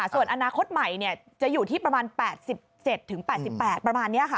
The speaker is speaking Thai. ส่วนอนาคตใหม่จะอยู่ที่ประมาณ๘๗๘๘ประมาณนี้ค่ะ